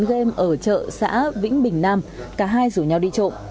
game ở chợ xã vĩnh bình nam cả hai rủ nhau đi trộm